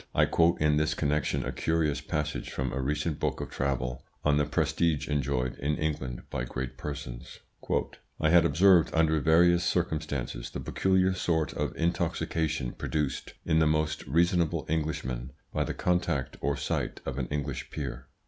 I quote in this connection a curious passage from a recent book of travel, on the prestige enjoyed in England by great persons. "I had observed, under various circumstances, the peculiar sort of intoxication produced in the most reasonable Englishmen by the contact or sight of an English peer.